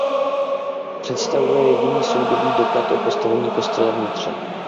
Představuje jediný soudobý doklad o postavení kostela v Nitře.